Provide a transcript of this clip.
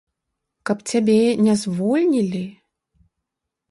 Каб цябе не звольнілі?